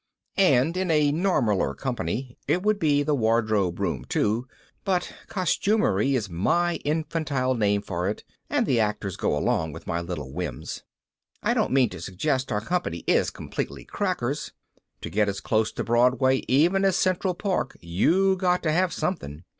And in a normaller company it would be the wardrobe room, too, but costumery is my infantile name for it and the actors go along with my little whims. I don't mean to suggest our company is completely crackers. To get as close to Broadway even as Central Park you got to have something.